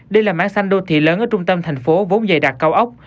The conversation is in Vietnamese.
đây là mảng xanh đô thị lớn ở trung tâm thành phố vốn dày đạt cao ốc